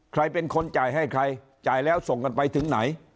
ใครเป็นคนจ่ายให้ใครจ่ายแล้วส่งกันไปถึงไหน